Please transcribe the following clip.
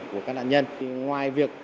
của các nạn nhân ngoài việc